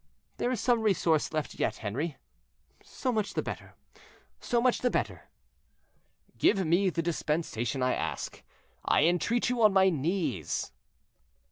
There is some resource left yet, Henri; so much the better, so much the better." "Give me the dispensation I ask; I entreat you on my knees."